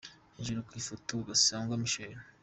Hejuru ku ifoto : Gasingwa Michel.